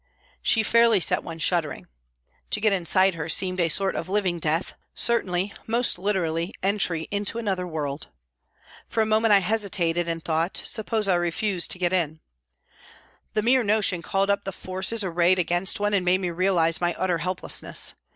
She fairly set one shuddering. To get inside her seemed a sort of living death, certainly, most literally, entry into another world. For a moment I hesitated and thought, " Suppose I refuse to get in ?" The mere notion called up the forces arrayed against one and made me realise my utter helplessness.